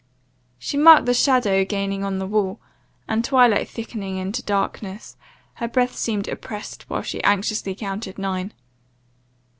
She marked the shadow gaining on the wall; and, twilight thickening into darkness, her breath seemed oppressed while she anxiously counted nine.